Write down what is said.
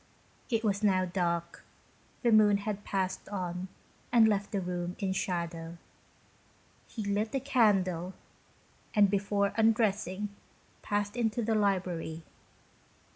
It was now dark: the moon had passed on and left the room in shadow. He lit a candle, and before undressing passed into the library.